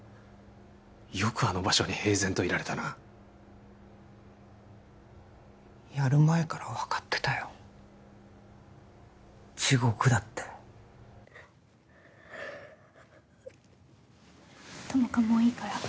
よくあの場所に平然といられたなやる前から分かってたよ地獄だって友果もういいから